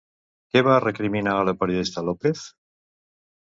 Què va recriminar la periodista López?